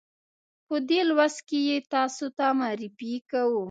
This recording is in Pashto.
په دې لوست کې یې تاسې ته معرفي کوو.